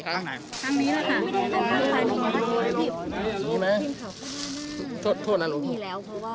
ข้างนี้แหละค่ะ